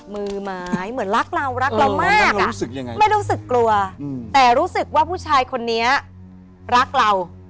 มือไม้เหมือนรักเรารักเรามากรู้สึกยังไงไม่รู้สึกกลัวแต่รู้สึกว่าผู้ชายคนนี้รักเรา